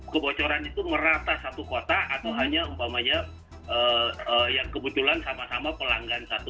kebocoran itu merata satu kota atau hanya umpamanya yang kebetulan sama sama pelanggan satu